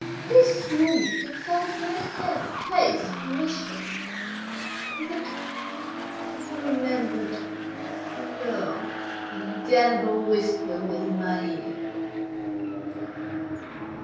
At this moment I felt a light hand placed upon my shoulder, and that ever remembered, low, damnable whisper within my ear.